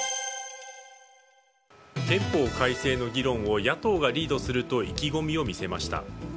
憲法改正の議論を野党がリードすると意気込みを見せました。